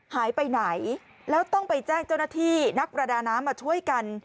หายไปไหนแล้วต้องไปแจ้งเจ้าหน้าที่นักประดาน้ำมาช่วยกัน